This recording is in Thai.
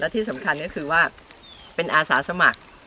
ที่สำคัญก็คือว่าเป็นอาสาสมัคร